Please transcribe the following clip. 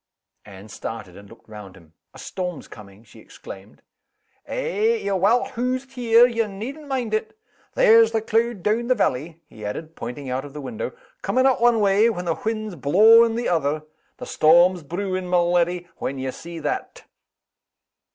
Anne started and looked round at him. "A storm coming!" she exclaimed. "Eh! ye're well hoosed here ye needn't mind it. There's the cloud down the valley," he added, pointing out of the window, "coming up one way, when the wind's blawing the other. The storm's brewing, my leddy, when ye see that!"